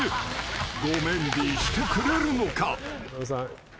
［「ごメンディー」してくれるのか？］